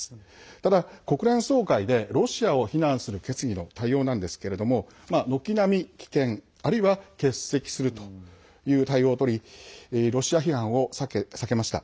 ただ、国連総会でロシアを非難する決議への対応なんですけれども軒並み棄権、あるいは欠席するという対応をとりロシア批判を避けました。